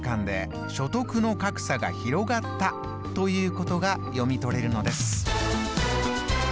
ということが読み取れるのです。